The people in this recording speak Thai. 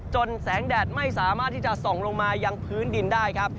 แสงแดดไม่สามารถที่จะส่องลงมายังพื้นดินได้ครับ